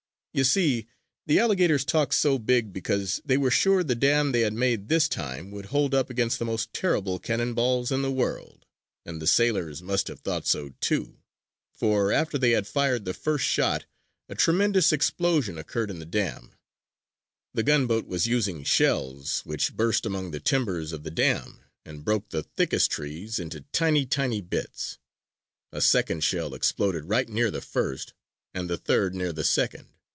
You see, the alligators talked so big because they were sure the dam they had made this time would hold up against the most terrible cannon balls in the world. And the sailors must have thought so, too; for after they had fired the first shot a tremendous explosion occurred in the dam. The gunboat was using shells, which burst among the timbers of the dam and broke the thickest trees into tiny, tiny bits. A second shell exploded right near the first, and a third near the second.